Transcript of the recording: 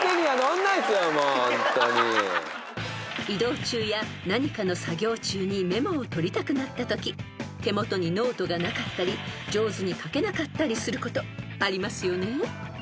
［移動中や何かの作業中にメモを取りたくなったとき手元にノートがなかったり上手に書けなかったりすることありますよね？］